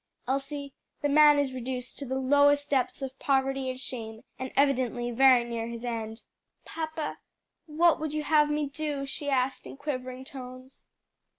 Elsie, the man is reduced to the lowest depths of poverty and shame, and evidently very near his end." "Papa, what would you have me do?" she asked in quivering tones.